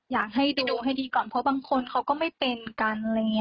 อยากให้ดูให้ดีก่อนเพราะบางคนเขาก็ไม่เป็นกัน